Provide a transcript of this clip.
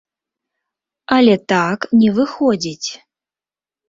Але так не выходзіць.